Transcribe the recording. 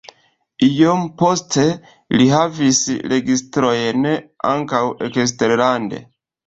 Iom poste li havis registrojn ankaŭ eksterlande.